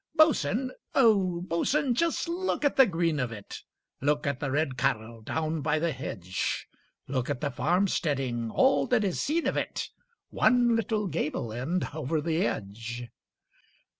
Bo'sun, O Bo'sun, just look at the green of it! Look at the red cattle down by the hedge! Look at the farmsteading—all that is seen of it, One little gable end over the edge!